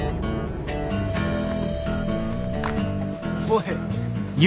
おい。